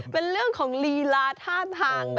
เป็นเรื่องของลีลาท่าทาง